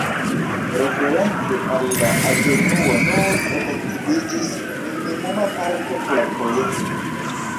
Reference al la avenuo, nur efektiviĝis minimuma parto de la projekto.